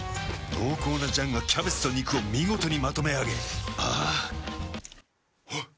濃厚な醤がキャベツと肉を見事にまとめあげあぁあっ。